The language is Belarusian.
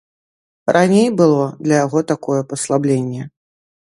Раней было для яго такое паслабленне.